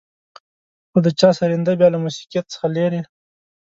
خو د چا سرېنده بيا له موسيقيت څخه لېرې.